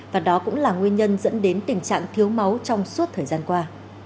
và đó cũng là nguyên nhân dẫn đến tình trạng thiếu máu trong suốt thời gian qua